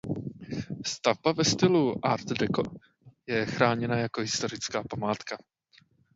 Stavba ve stylu art deco je chráněná jako historická památka.